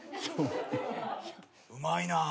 うまいなあ。